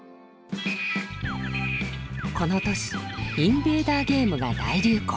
この年インベーダーゲームが大流行。